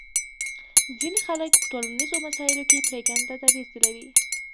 ځینې خلک په ټولنیزو مسایلو کې پرېکنده دریځ لري